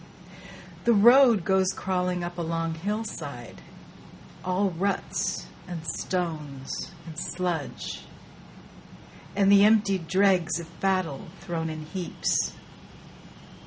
The road goes crawling up a long hillside, All ruts and stones and sludge, and the emptied dregs Of battle thrown in heaps.